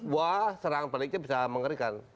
wah serangan baliknya bisa mengerikan